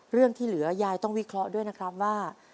เรื่องที่เหลือยายต้องวิเคราะห์ด้วยนะครับว่า